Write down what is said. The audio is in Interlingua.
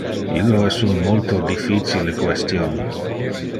Illo es un multo difficile question.